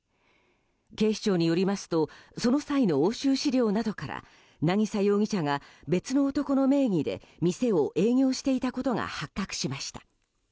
警視庁によりますとその際の押収資料などから渚容疑者が別の男の名義で店を営業していたことが発覚しました。